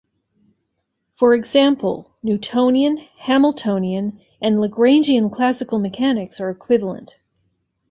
For example, Newtonian, Hamiltonian and Lagrangian classical mechanics are equivalent.